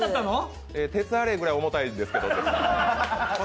鉄アレイぐらい重たいんですけどと。